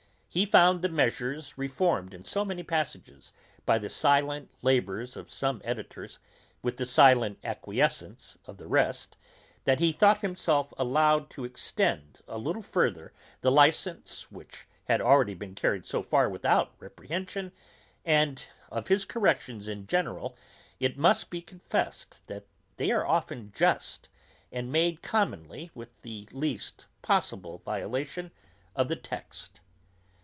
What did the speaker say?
He found the measures reformed in so many passages, by the silent labours of some editors, with the silent acquiescence of the rest, that he thought himself allowed to extend a little further the license, which had already been carried so far without reprehension; and of his corrections in general, it must be confessed, that they are often just, and made commonly with the least possible violation of the text.